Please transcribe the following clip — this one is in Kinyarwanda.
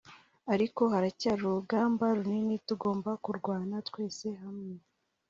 ariko haracyari urugamba runini tugomba kurwana twese hamwe”